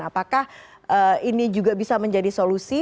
apakah ini juga bisa menjadi solusi